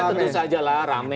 tentu saja lah rame